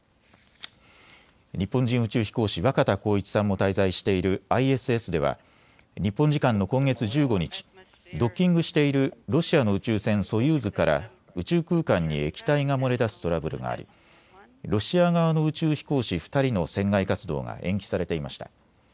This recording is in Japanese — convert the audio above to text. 日本人宇宙飛行士、若田光一さんも滞在しているＩＳＳでは日本時間の今月１５日、ドッキングしているロシアの宇宙船ソユーズから宇宙空間に液体が漏れ出すトラブルがありロシア側の宇宙飛行士２人の船外活動が延期されていました。